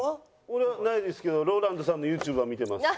俺はないですけどＲＯＬＡＮＤさんのＹｏｕＴｕｂｅは見てます。